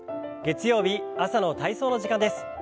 月曜日朝の体操の時間です。